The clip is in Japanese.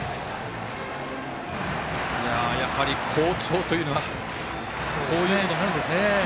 やはり、好調というのはこういうこともあるんですね。